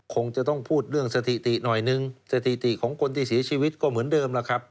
คงจะต้องพูดเรื่องสถิติหน่อยนึงสถิติของคนที่เสียชีวิตก็เหมือนเดิมแล้วครับ